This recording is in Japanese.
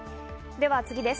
では次です。